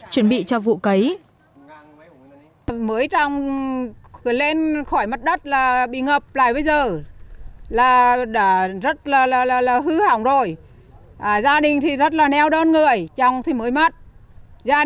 chuẩn bị cho vụ cấy